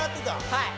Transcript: はい！